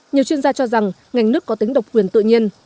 nhiều chuyên gia cho rằng ngành nước có tính độc quyền tự nhiên